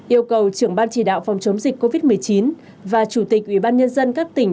yêu cầu trưởng ban chỉ đạo phòng chống dịch covid một mươi chín và chủ tịch ubnd các tỉnh